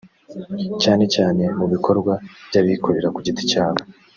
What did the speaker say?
cyane cyane mu bikorwa by’abikorera ku giti cyabo